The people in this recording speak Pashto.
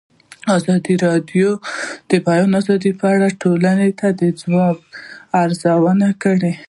ازادي راډیو د د بیان آزادي په اړه د ټولنې د ځواب ارزونه کړې.